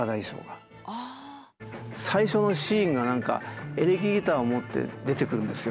最初のシーンが何かエレキギターを持って出てくるんですよ。